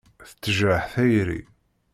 Tettejraḥ tayri.